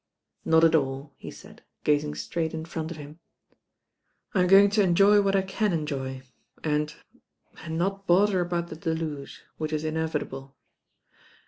"Not at all," he said, gazing straight in front of mm. I m going to enjoy what I can enjoy, and^ and not bother about the deluge, which is inevitable.